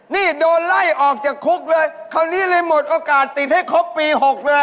นี่โดนไล่ออกจากคุกเลยคราวนี้เลยหมดโอกาสติดให้ครบปี๖เลย